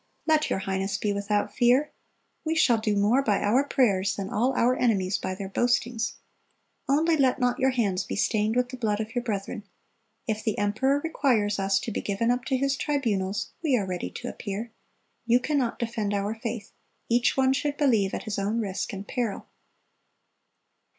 Let your highness be without fear. We shall do more by our prayers than all our enemies by their boastings. Only let not your hands be stained with the blood of your brethren. If the emperor requires us to be given up to his tribunals, we are ready to appear. You cannot defend our faith: each one should believe at his own risk and peril."